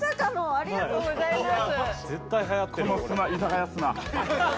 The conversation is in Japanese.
ありがとうございます。